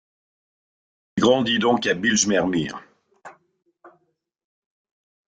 Il grandit donc à Bijlmermeer.